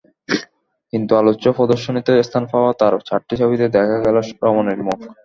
কিন্তু আলোচ্য প্রদর্শনীতে স্থান পাওয়া তাঁর চারটি ছবিতে দেখা গেল রমণীর মুখ।